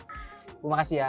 terima kasih ya